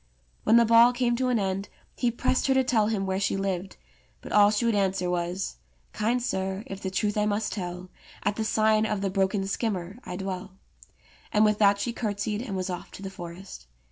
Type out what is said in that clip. When the ball came to an end he pressed her to tell him where she lived, but all she would answer was : "Kind sir, if the truth I must tell, At the sign of the 'Broken Skimmer' I dwell"; and with that she curtsied, and was off to the forest.